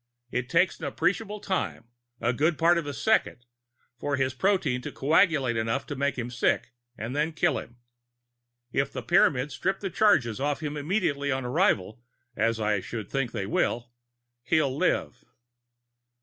It takes an appreciable time, a good part of a second, for his protein to coagulate enough to make him sick and then kill him. If the Pyramids strip the charges off him immediately on arrival, as I should think they will, he'll live."